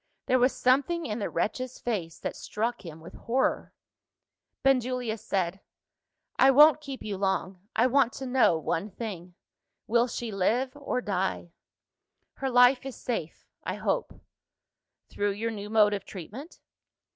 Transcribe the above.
There was something in the wretch's face that struck him with horror. Benjulia said, "I won't keep you long; I want to know one thing. Will she live or die?" "Her life is safe I hope." "Through your new mode of treatment?"